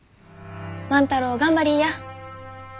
万太郎頑張りいや。